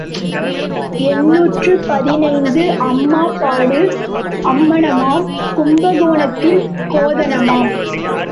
எண்ணூற்று பதினைந்து அம்மா பாடு அம்மணமாம் கும்பகோணத்தில் கோதானமாம்.